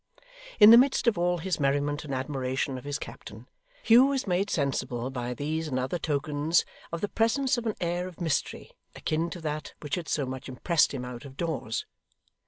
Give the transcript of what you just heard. In the midst of all his merriment, and admiration of his captain, Hugh was made sensible by these and other tokens, of the presence of an air of mystery, akin to that which had so much impressed him out of doors.